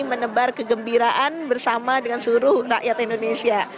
menebar kegembiraan bersama dengan seluruh rakyat indonesia